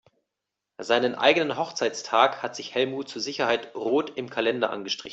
Seinen eigenen Hochzeitstag hat sich Helmut zur Sicherheit rot im Kalender angestrichen.